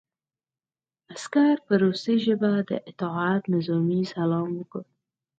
عسکر په روسي ژبه د اطاعت نظامي سلام وکړ